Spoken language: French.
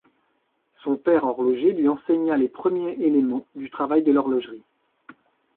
Son père, horloger, lui enseigna les premiers éléments du travail de l’horlogerie.